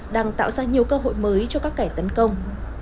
đang tạo ra nhiều cơ hội mới cho các kẻ tấn công